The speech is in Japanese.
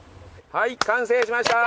はい完成しました。